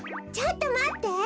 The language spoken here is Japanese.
ちょっとまって！